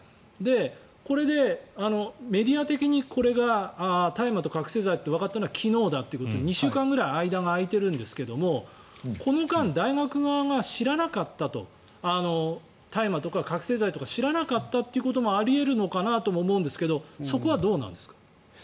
これでメディア的にこれが大麻と覚醒剤とわかったのは昨日ということで２週間ぐらい間が空いているんですがこの間、大学側が大麻とか覚醒剤とかと知らなかったという可能性もあり得るのかなとも思うんですがそこはどうなんですか？